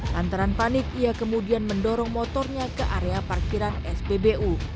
lantaran panik ia kemudian mendorong motornya ke area parkiran spbu